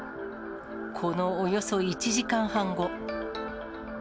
このおよそ１時間半後。